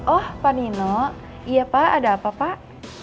oh pak nino iya pak ada apa pak